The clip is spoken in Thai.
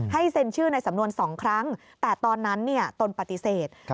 เซ็นชื่อในสำนวน๒ครั้งแต่ตอนนั้นตนปฏิเสธ